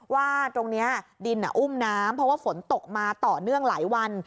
ว่าตรงนี้ดินอุ้มน้ำเพราะว่าฝนตกมาต่อเนื่องหลายวัน